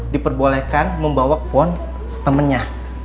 diperbolehkan membawa kupon temennya